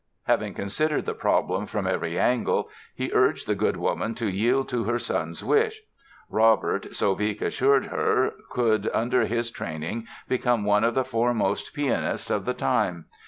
Having considered the problem from every angle he urged the good woman to yield to her son's wish. Robert, so Wieck assured her, could under his training become one of the foremost pianists of the time.